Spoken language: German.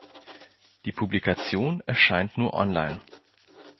Die Publikation erscheint nur online.